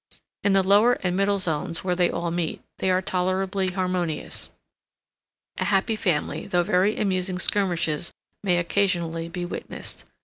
In the lower and middle zones, where they all meet, they are tolerably harmonious—a happy family, though very amusing skirmishes may occasionally be witnessed.